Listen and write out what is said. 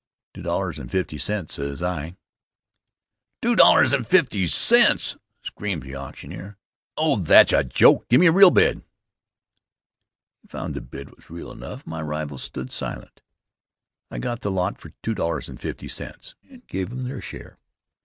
"Two dollars and fifty cents," says I. "Two dollars and fifty cents!" screamed the auctioneer. "Oh, that's a joke! Give me a real bid." He found the bid was real enough. My rivals stood silent. I got the lot for $2.50 and gave them their share.